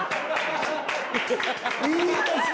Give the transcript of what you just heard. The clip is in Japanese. いいですね！